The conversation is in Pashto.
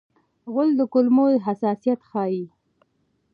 غول د کولمو حساسیت ښيي.